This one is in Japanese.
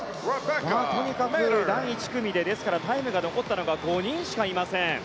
とにかく第１組でタイムが残ったのが５人しかいません。